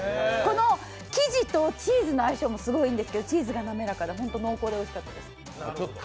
生地とチーズの相性もすごいいいんですけどチーズも滑らかでホント濃厚でおいしかったです。